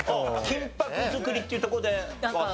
金箔作りっていうところでわかった？